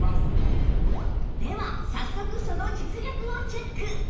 では早速その実力をチェック！